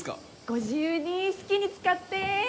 ご自由に好きに使って。